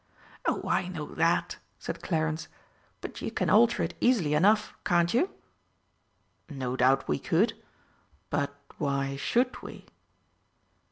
"Oh, I know that," said Clarence. "But you can alter it easily enough, can't you?" "No doubt we could. But why should we?"